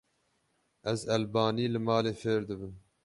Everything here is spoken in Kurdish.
Ez elbanî li malê fêr dibim.